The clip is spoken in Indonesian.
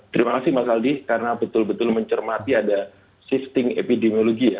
terima kasih mas aldi karena betul betul mencermati ada shifting epidemiologi ya